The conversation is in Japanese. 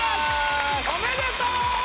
おめでとう！